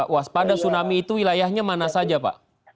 waspada tsunami itu wilayahnya mana saja pak